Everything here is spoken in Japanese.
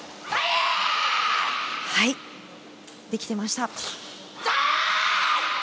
はい、できていました。